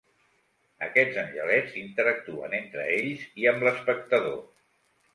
Aquests angelets interactuen entre ells i amb l’espectador.